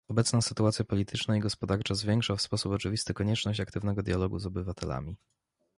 Obecna sytuacja polityczna i gospodarcza zwiększa w sposób oczywisty konieczność aktywnego dialogu z obywatelami